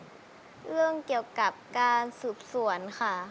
เรื่องเกี่ยวกับการสืบสวนค่ะ